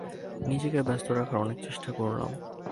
নিজেকে ব্যস্ত রাখার অনেক চেষ্টা করলাম।